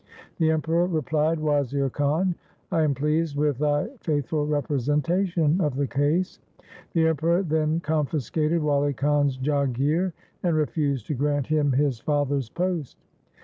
The Emperor replied, ' Wazir Khan, I am pleased with thy faith ful representation of the case.' The Emperor then confiscated Wali Khan's jagir 1 and refused to grant him his father's post.